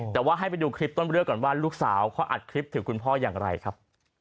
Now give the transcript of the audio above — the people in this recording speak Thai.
แต่ว่าให้ไปดูคลิปต้นเรื่องก่อนว่าลูกสาวเขาอัดคลิปถึงคุณพ่ออย่างไรครับ